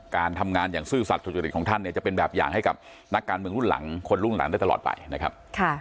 การทำงานอย่างซื่อสัตว์สุจริตของท่านเนี่ยจะเป็นแบบอย่างให้กับนักการเมืองรุ่นหลังคนรุ่นหลังได้ตลอดไปนะครับ